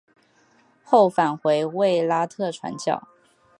后返回卫拉特传教。